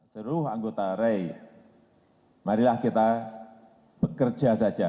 seluruh anggota rey marilah kita bekerja saja